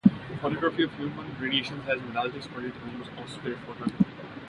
Photography of human radiations has been largely exploited in the realms of spirit photography.